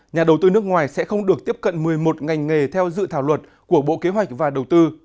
nhà đầu tư nước ngoài sẽ không được tiếp cận một mươi một ngành nghề theo dự thảo luật của bộ kế hoạch và đầu tư